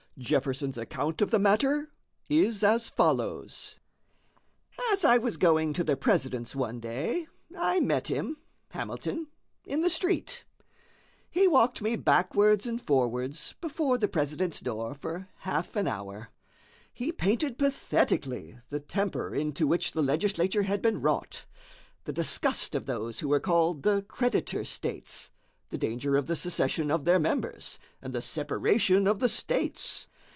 Jefferson's account of the matter is as follows: "As I was going to the President's one day, I met him (Hamilton) in the street. He walked me backwards and forwards before the President's door for half an hour. He painted pathetically the temper into which the legislature had been wrought; the disgust of those who were called the creditor states: the danger of the secession of their members, and the separation of the states.